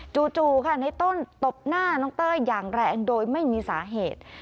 จู่ค่ะในต้นตบหน้าน้องเต้ยอย่างแรงโดยไม่มีสาเหตุ